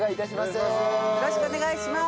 よろしくお願いします！